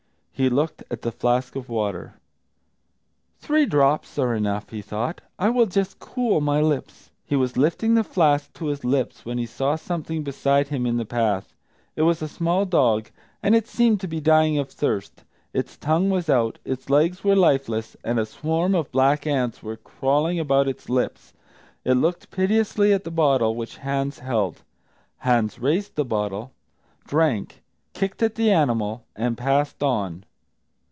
He looked at the flask of water. "Three drops are enough," he thought; "I will just cool my lips." He was lifting the flask to his lips when he saw something beside him in the path. It was a small dog, and it seemed to be dying of thirst. Its tongue was out, its legs were lifeless, and a swarm of black ants were crawling about its lips. It looked piteously at the bottle which Hans held. Hans raised the bottle, drank, kicked at the animal, and passed on.